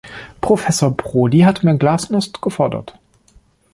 Professor Prodi hat mehr Glasnost gefordert.